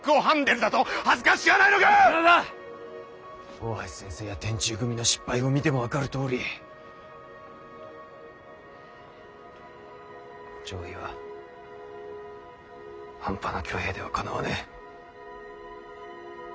大橋先生や天誅組の失敗を見ても分かるとおり攘夷は半端な挙兵ではかなわねぇ。